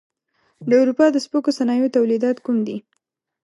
د اروپا د سپکو صنایعو تولیدات کوم دي؟